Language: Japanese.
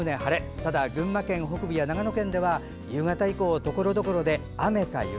ただ、群馬県北部や長野県では、夕方以降ところどころで雨か雪。